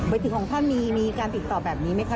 ไปถึงของท่านมีการติดต่อแบบนี้ไหมคะ